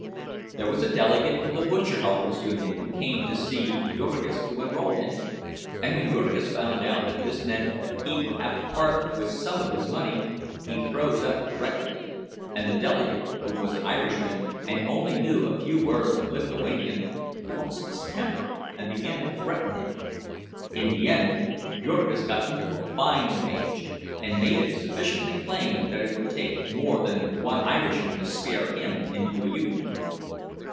There was a delegate of the butcher helpers' union who came to see Jurgis to enroll him; and when Jurgis found that this meant that he would have to part with some of his money, he froze up directly, and the delegate, who was an Irishman and only knew a few words of Lithuanian, lost his temper and began to threaten him. In the end Jurgis got into a fine rage, and made it sufficiently plain that it would take more than one Irishman to scare him into a union.